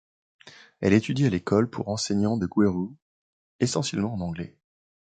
Elle étudie à l'école pour enseignants de Gweru, essentiellement en anglais.